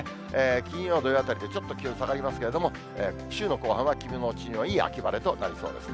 金曜、土曜あたりでちょっと気温下がりますけれども、週の後半は気持ちのいい秋晴れとなりそうですね。